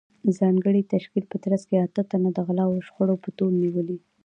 ځانګړې تشکیل په ترڅ کې اته تنه د غلاوو او شخړو په تور نیولي